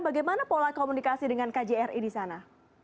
bagaimana pola komunikasi dengan kjri di sana